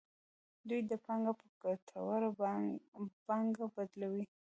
دوی دا پانګه په ګټوره پانګه بدلوي